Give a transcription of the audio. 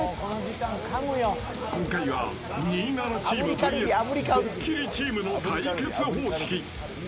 今回は、「２７」チームＶＳ「ドッキリ」チームの対決方式。